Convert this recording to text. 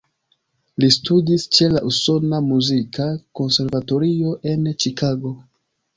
Li studis ĉe la Usona Muzika Konservatorio en Ĉikago.